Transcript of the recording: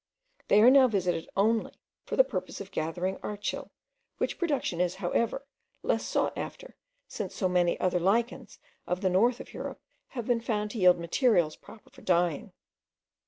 They are now visited only for the purpose of gathering archil, which production is, however, less sought after, since so many other lichens of the north of Europe have been found to yield materials proper for dyeing.